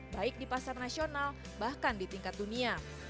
baik di pasar nasional bahkan di tingkat dunia